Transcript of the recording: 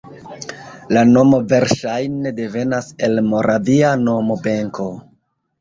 La nomo verŝajne devenas el moravia nomo Benko.